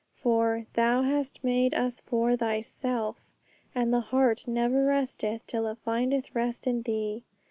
For 'Thou hast made us for Thyself, and the heart never resteth till it findeth rest in Thee.'